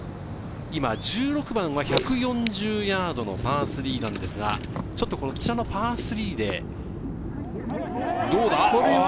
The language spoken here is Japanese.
今１６番は１４０ヤードのパー３なんですが、こちらパー３で、どうだ？